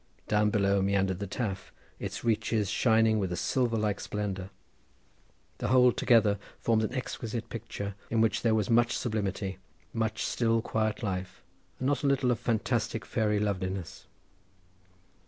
Down below meandered the Taf, its reaches shining with a silver like splendour. The whole together formed an exquisite picture, in which there was much sublimity, much still, quiet life, and not a little of fantastic fairy loveliness.